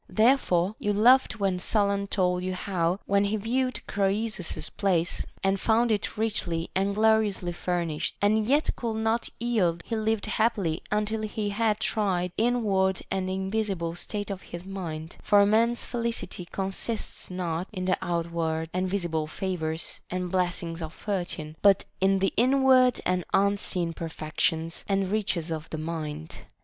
Therefore you laughed when Solon told you how, when he viewed Croesus's palace and found it richly and gloriously furnished, he yet could not yield he lived happily until he had tried the inward and invisible state of his mind ; for a man's felicity consists not in the outward and visible favors and blessings of Fortune, but in the inward and unseen perfections and riches of the mind.